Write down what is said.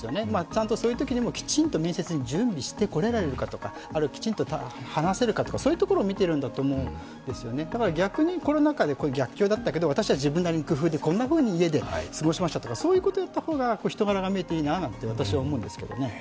ちゃんとそういうときにもきちんと面接に準備してこられるかとか、きちんと話せるかとか、そういうところを見てると思うのでだから逆にコロナ禍で逆境だったけど、私は自分なりに工夫してこんなふうに家で過ごしましたという方が、人柄が見えていいなって私は思うんですけどね。